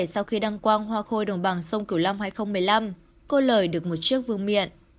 sau khi đăng quang hoa khôi đồng bằng sông cửu long hai nghìn một mươi năm cô lời được một chiếc vương miện